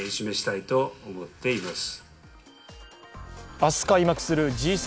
明日開幕するＧ７